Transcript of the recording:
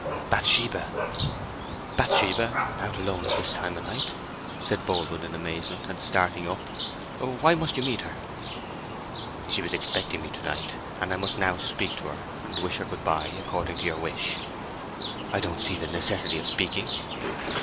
"Bathsheba." "Bathsheba—out alone at this time o' night!" said Boldwood in amazement, and starting up. "Why must you meet her?" "She was expecting me to night—and I must now speak to her, and wish her good bye, according to your wish." "I don't see the necessity of speaking."